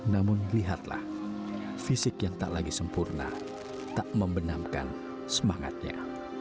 namun lihatlah fisik yang tak lagi sempurna tak membenamkan semangatnya